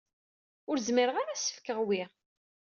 Ur zmireɣ ara ad as-fkeɣ wi.